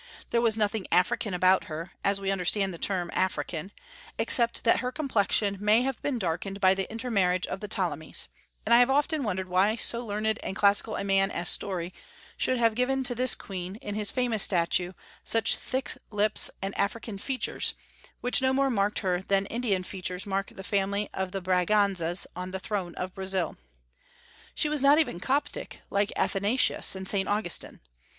There was nothing African about her, as we understand the term African, except that her complexion may have been darkened by the intermarriage of the Ptolemies; and I have often wondered why so learned and classical a man as Story should have given to this queen, in his famous statue, such thick lips and African features, which no more marked her than Indian features mark the family of the Braganzas on the throne of Brazil. She was not even Coptic, like Athanasius and Saint Augustine.